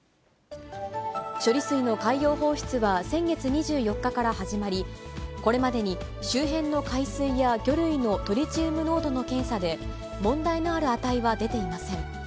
処理水の海洋放出は先月２４日から始まり、これまでに周辺の海水や魚類のトリチウム濃度の検査で、問題のある値は出ていません。